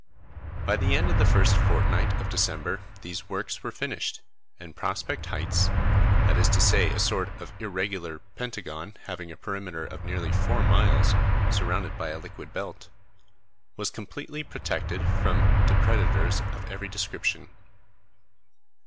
By the end of the first fortnight of December these works were finished, and Prospect Heights that is to say, a sort of irregular pentagon having a perimeter of nearly four miles, surrounded by a liquid belt was completely protected from depredators of every description.